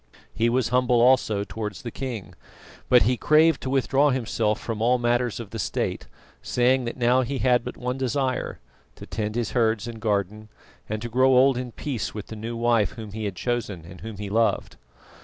He was humble also towards the king, but he craved to withdraw himself from all matters of the State, saying that now he had but one desire to tend his herds and garden, and to grow old in peace with the new wife whom he had chosen and whom he loved.